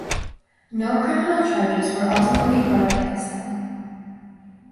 No criminal charges were ultimately brought against them.